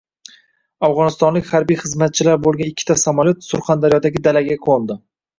Video: Afg‘onistonlik harbiy xizmatchilar bo‘lgan ikkita vertolyot Surxondaryodagi dalaga qo‘ndi